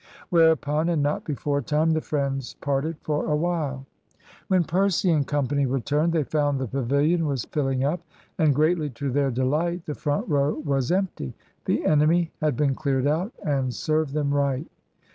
Whereupon, and not before time, the friends parted for a while. When Percy and Co. returned, they found the pavilion was filling up, and, greatly to their delight, the front row was empty. The enemy had been cleared out; and serve them right.